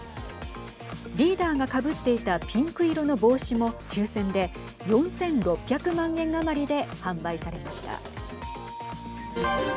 リーダーがかぶっていたピンク色の帽子も抽選で４６００万円余りで販売されました。